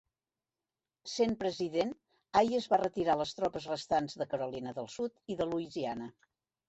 Sent president, Hayes va retirar les tropes restants de Carolina del Sud i de Louisiana.